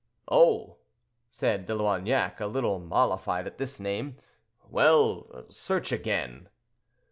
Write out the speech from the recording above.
"Oh!" said De Loignac, a little mollified at this name, "well, search again."